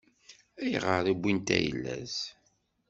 Ayɣer i wwint ayla-s?